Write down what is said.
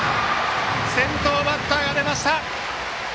先頭バッターが出ました！